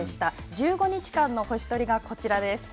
１５日間の星取りがこちらです。